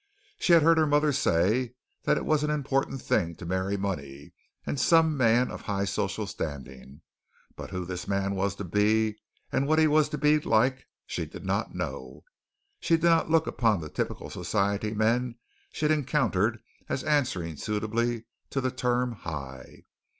She had heard her mother say that it was an important thing to marry money and some man of high social standing, but who this man was to be and what he was to be like she did not know. She did not look upon the typical society men she had encountered as answering suitably to the term high.